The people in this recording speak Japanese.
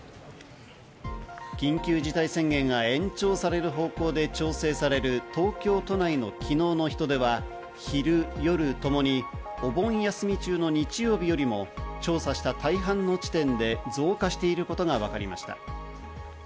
緊急事態宣言が延長される方向で調整される東京都内の昨日の人出は昼・夜ともにお盆休み中の日曜日よりも調査した大半の地点で増加していることがわかりました。